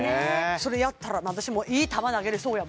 それやったら私もいい球投げれそうや